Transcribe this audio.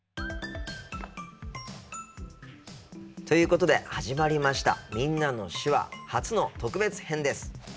ということで始まりました「みんなの手話」初の特別編です。